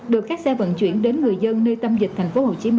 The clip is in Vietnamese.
được các xe vận chuyển đến người dân nơi tâm dịch